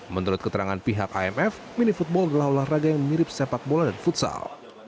menurut keterangan pihak imf mini football adalah olahraga yang mirip sepak bola dan futsal